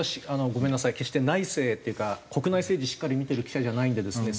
ごめんなさい決して内政っていうか国内政治しっかり見てる記者じゃないんでですね